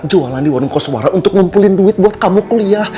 jualan di warung koswara untuk ngumpulin duit buat kamu kuliah